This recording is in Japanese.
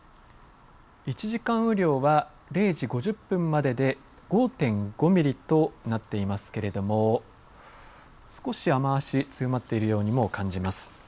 １時間雨量は、０時５０分までで５．５ミリとなっていますけれども、少し雨足、強まっているようにも感じます。